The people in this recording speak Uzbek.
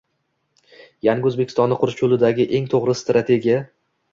Yangi O‘zbekistonni qurish yo‘lidagi eng to‘g‘ri strategiyang